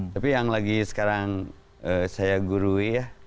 tapi yang lagi sekarang saya gurui ya